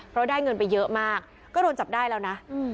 เพราะได้เงินไปเยอะมากก็โดนจับได้แล้วนะ